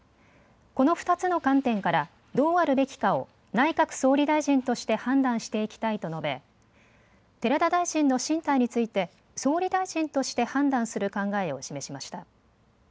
この２つの観点からどうあるべきかを、内閣総理大臣として判断していきたいと述べ、寺田大臣の進退について、総理大臣として判断する考えを示しました。